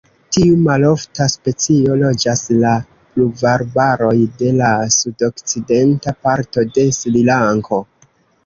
Tiu malofta specio loĝas la pluvarbaroj de la sudokcidenta parto de Srilanko.